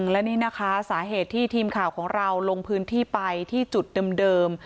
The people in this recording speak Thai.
และนี่นะคะสาเหตุที่ทีมข่าวของเราลงพื้นที่ไปที่จุดเดิม